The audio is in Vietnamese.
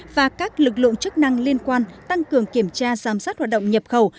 và các lực lượng chức năng liên quan tăng cường kiểm tra giám sát hoạt động nhập khẩu